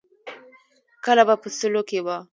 کله به په سلو کې وه.